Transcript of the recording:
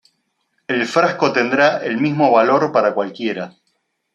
El frasco tendrá el mismo valor para cualquiera.